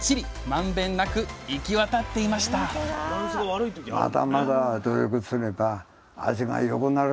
まんべんなく行き渡っていましたアハハハハハハ。